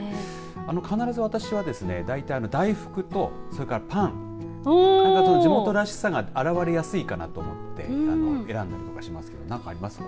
必ず私は大福とそれからパンあれが地元らしさが表れやすいかなと思って選んだりとかしますけど何かありますか。